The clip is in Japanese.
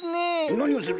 何をする！